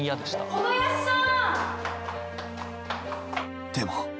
・小林さん！